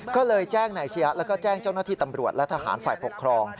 ก็เลยแจ้งนายชะยะแล้วก็แจ้งเจ้าหน้าที่ตำรวจและทหารฝ่ายปกครอง